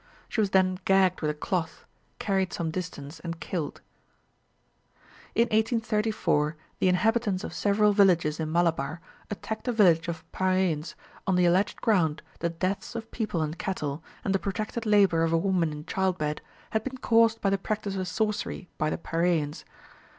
She was then gagged with a cloth, carried some distance, and killed. In 1834, the inhabitants of several villages in Malabar attacked a village of Paraiyans on the alleged ground that deaths of people and cattle, and the protracted labour of a woman in childbed, had been caused by the practice of sorcery by the Paraiyans.